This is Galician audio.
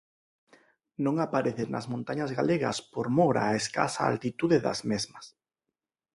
Non aparece nas montañas galegas por mor á escasa altitude das mesmas.